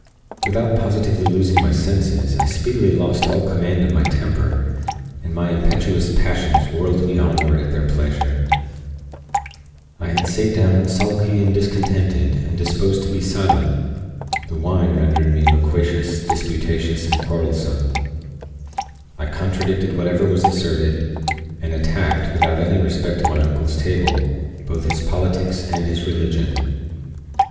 Without positively losing my senses, I speedily lost all command of my temper, and my impetuous passions whirled me onward at their pleasure. I had sate down sulky and discontented, and disposed to be silent the wine rendered me loquacious, disputatious, and quarrelsome. I contradicted whatever was asserted, and attacked, without any respect to my uncle's table, both his politics and his religion.